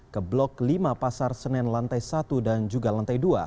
ke blok lima pasar senen lantai satu dan juga lantai dua